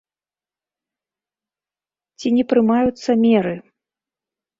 Ці не прымаюцца меры.